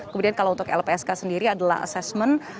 kemudian kalau untuk lpsk sendiri adalah assessment